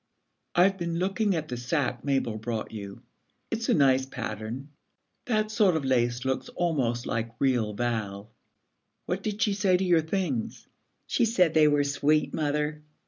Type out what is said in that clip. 'I've been looking at the sack Mabel brought you. It's a nice pattern. That sort of lace looks almost like real val. What did she say to your things?' 'She said they were sweet, mother.'